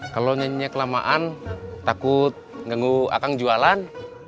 kalau nyanyinya kelamaan takut ganggu akang jualan